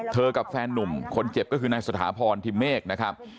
กับแฟนนุ่มคนเจ็บก็คือนายสถาพรทิมเมฆนะครับ